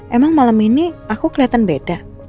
emang malam ini aku kelihatan beda